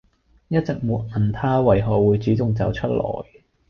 一直沒問他為何會主動走出來